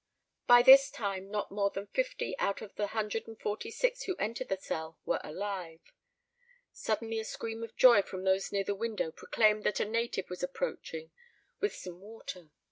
By this time not more than fifty out of the hundred and forty six who entered the cell were alive. Suddenly a scream of joy from those near the window proclaimed that a native was approaching with some water.